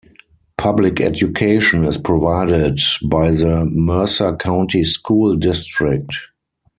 Public education is provided by the Mercer County School District.